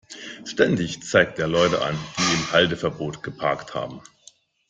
Ständig zeigt er Leute an, die im Halteverbot geparkt haben.